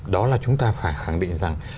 đó là chúng ta phải khẳng định rằng